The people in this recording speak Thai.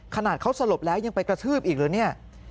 ขนาดเขาสลบแล้วยังไปกระทืบอีกเหรอเนี่ย